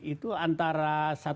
itu antara dua satu dua tiga